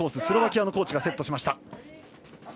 スロベニアのコーチがセットしました。